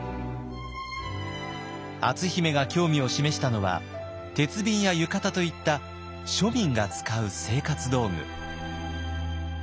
篤姫が興味を示したのは鉄瓶や浴衣といった庶民が使う生活道具。